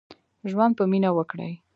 ژوند په مينه وکړئ.